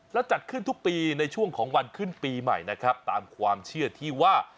แล้วจัดขึ้นทุกปีในช่วงของวันขึ้นปีใหม่นะครับตามความเชื่อที่ว่า